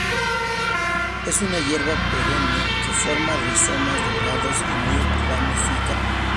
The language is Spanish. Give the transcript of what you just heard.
Es una hierba perenne, que forma rizomas delgados y muy ramificados.